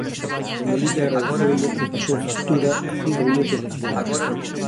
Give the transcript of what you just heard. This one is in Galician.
O Melilla agradeceuno e pasou factura a cinco minutos do final.